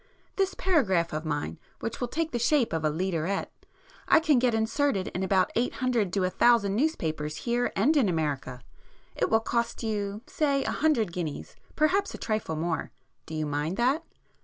This paragraph of mine, which will take the shape of a 'leaderette,' I can get inserted in about eight hundred to a thousand newspapers here and in America. It will cost you,—say a hundred guineas—perhaps a trifle more. Do you mind that?"